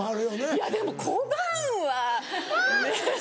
いやでも小判はねぇ。